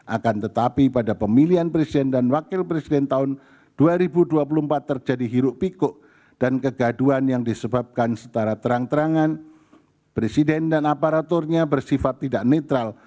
akan tetapi pada pemilihan presiden dan wakil presiden tahun dua ribu dua puluh empat terjadi hiruk pikuk dan kegaduan yang disebabkan secara terang terangan presiden dan aparaturnya bersifat tidak netral